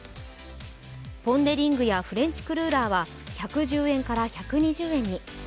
ポン・デ・リングやフレンチクルーラーは１１０円から１２０円に。